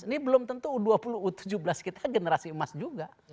ini belum tentu u dua puluh u tujuh belas kita generasi emas juga